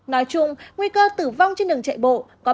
nói chung nguy cơ tử vong trên đường chạy bộ có ba